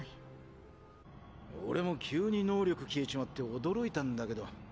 俺も急に能力消えちまって驚いたんだけど。